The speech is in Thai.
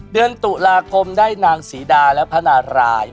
เดือนตุลาคมได้นางศรีดาและพระนาราย